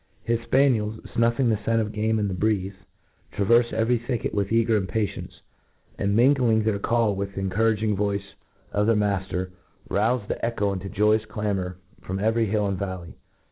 Hi8 fpaniels, fnuffing the (cent of game in the breeze, traverfe every thicket with eager impatience ; and, mingling their call with the encouraging voice of their matter, roufc the echo into joyous clamour from every hill and valley.